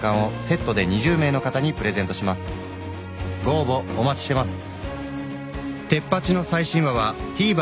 ［ご応募お待ちしてます］